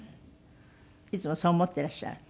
いつもそう思ってらっしゃる？